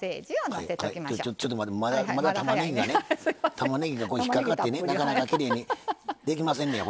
たまねぎが引っ掛かってねなかなかきれいにできませんのや。